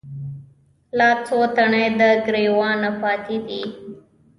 لا څــــو تڼۍ د ګــــــرېوانه پاتـې دي